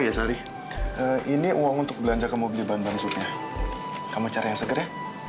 ya sari ini uang untuk belanja kamu beli bahan bahannya kamu cari yang seger ya